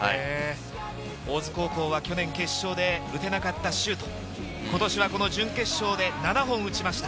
大津高校は去年、決勝で打てなかったシュート、今年は準決勝で７本を打ちました。